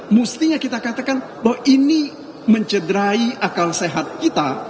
mestinya kita katakan bahwa ini mencederai akal sehat kita